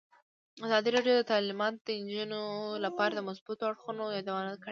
ازادي راډیو د تعلیمات د نجونو لپاره د مثبتو اړخونو یادونه کړې.